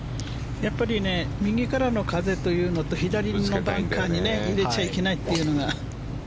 やっぱり右からの風のというのと左のバンカーに入れちゃいけないというのが。